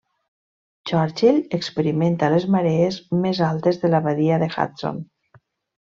Churchill experimenta les marees més altes de la Badia de Hudson.